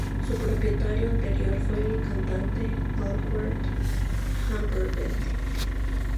Su propietario anterior fue el cantante Engelbert Humperdinck.